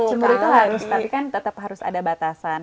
sumur itu harus tapi kan tetap harus ada batasan